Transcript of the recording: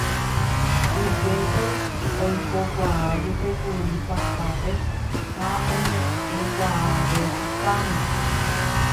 Upépe oikuaajepékuri Pápape ha oñekuaveʼẽ Tupãme.